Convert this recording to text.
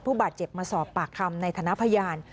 ผู้บาดเจ็บมาสอบปากคำในฐานะพยาน